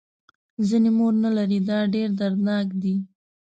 ځینې مور نه لري دا ډېر دردناک دی.